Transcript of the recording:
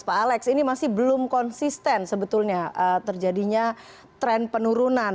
pak alex ini masih belum konsisten sebetulnya terjadinya tren penurunan